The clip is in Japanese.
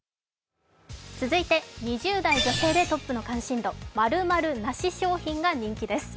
続いて２０代女性でトップの関心度、○○なし商品が人気です。